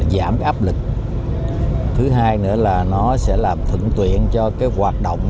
giảm cái áp lực thứ hai nữa là nó sẽ làm thuận tuyện cho cái hoạt động